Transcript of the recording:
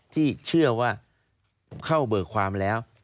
ที่เชื่อว่าเข้าเบิกความแล้ว